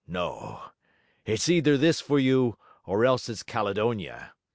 No, it's either this for you; or else it's Caledonia.